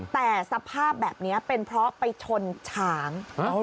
แต่สภาพแบบนี้เป็นเพราะไปชนช้าง